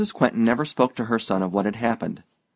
Quentin never spoke to her son of what had happened.